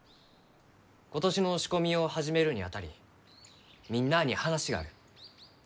今年の仕込みを始めるにあたりみんなあに話がある。